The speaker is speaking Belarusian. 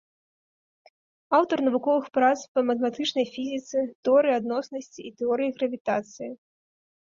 Аўтар навуковых прац па матэматычнай фізіцы, тэорыі адноснасці і тэорыі гравітацыі.